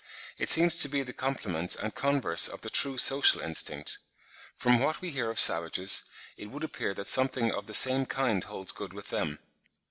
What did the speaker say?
It seems to be the complement and converse of the true social instinct. From what we hear of savages, it would appear that something of the same kind holds good with them.